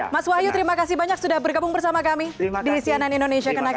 mas wahyu terima kasih banyak sudah bergabung bersama kami di cnn indonesia connected